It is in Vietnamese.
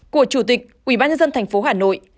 của chủ tịch ủy ban nhân dân thành phố hà nội